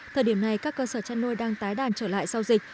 thời điểm này các cơ sở chăn nuôi đang tái đàn trở lại sau dịch